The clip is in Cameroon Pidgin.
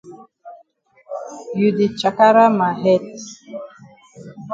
You di chakara ma head.